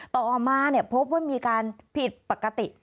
ต่อมาพบว่ามีการผิดปกติ